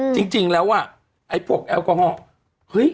จริงแล้วอ่ะไอ้พวกแอลกอฮอล์เฮ้ย